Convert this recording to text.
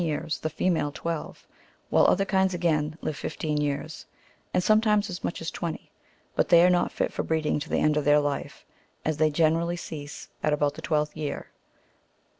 543 years, the female twelve ; while other kinds, again, live fifteen years, and sometimes as much as twenty ; but they are not fit for breeding to the end of their life, as they generally cease at about the twelfth year.